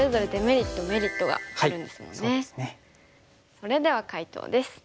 それでは解答です。